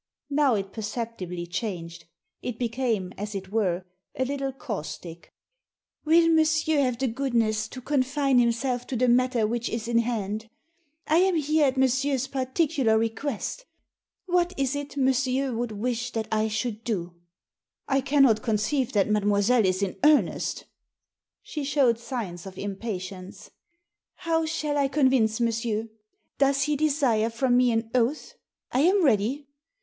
Now it perceptibly changed. It became, as it were, a little caustic ." Will monsieur have the goodness to confine him self to the matter which is in hand ? I am here at monsieur's particular request What is it monsieur would wish that I should do ?"" I cannot conceive that mademoiselle is in earnest" She showed signs of impatience. ''How shall I convince monsieur? Does he desire from me an oath ? I am ready.